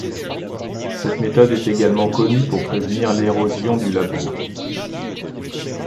Cette méthode est également connue pour prévenir l'érosion du labour.